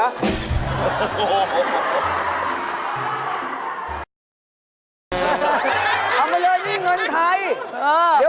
เอามาเลยนี่เงินไทย